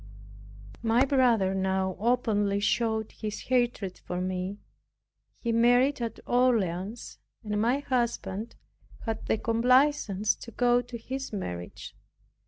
My brother now openly showed his hatred for me. He married at Orleans and my husband had the complaisance to go to his marriage.